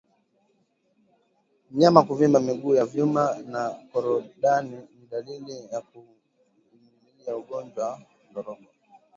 Mnyama kuvimba miguu ya nyuma na korodani ni dalili ya ugonjwa wa ndorobo